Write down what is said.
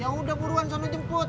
ya udah buruan sama jemput